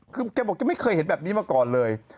ก็บอกไม่เคยเห็นแบบนี้มาก่อนเลย